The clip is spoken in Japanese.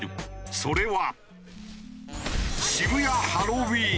それは。